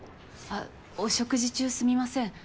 あっお食事中すみません。